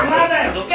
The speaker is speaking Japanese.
どけ！